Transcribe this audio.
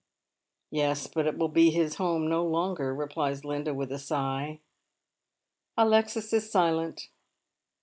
" Yes, but it will be his home no longer," replies Linda, with a sigh. Alexis is silent.